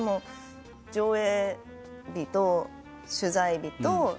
上映日と取材日と。